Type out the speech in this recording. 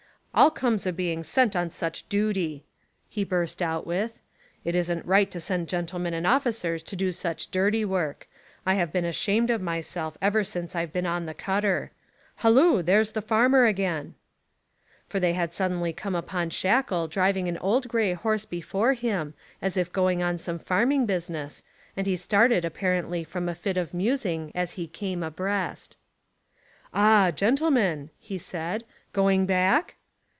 "All comes of being sent on such dooty," he burst out with. "It isn't right to send gentlemen and officers to do such dirty work. I've been ashamed of myself ever since I've been on the cutter. Hallo! Here's the farmer again." For they had suddenly come upon Shackle driving an old grey horse before him as if going on some farming business, and he started apparently from a fit of musing as he came abreast. "Ah, gentlemen," he said; "going back?"